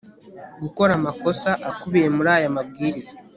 gukora amakosa akubiye muri aya mabwiriza